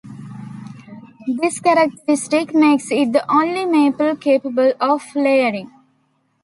This characteristic makes it the only maple capable of layering.